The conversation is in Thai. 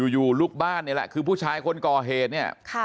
อยู่ลูกบ้านนี่แหละคือผู้ชายคนก่อเหตุเนี่ย